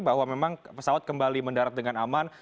bahwa memang pesawat kembali mendarat dengan aman